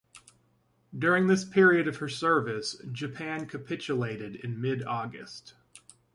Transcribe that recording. During this period of her service, Japan capitulated in mid-August.